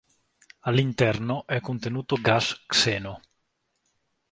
All'interno è contenuto gas xeno.